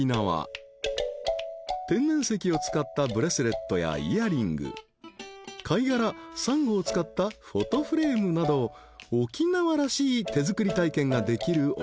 ［天然石を使ったブレスレットやイヤリング貝殻サンゴを使ったフォトフレームなど沖縄らしい手作り体験ができるお店］